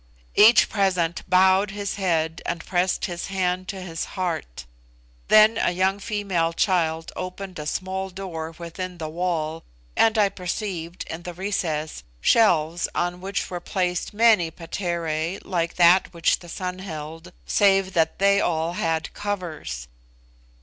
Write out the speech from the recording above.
Each present bowed his head and pressed his hand to his heart. Then a young female child opened a small door within the wall, and I perceived, in the recess, shelves on which were placed many 'paterae' like that which the son held, save that they all had covers.